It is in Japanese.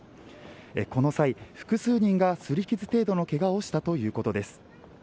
この際、複数人が擦り傷程度のケガをしたということです。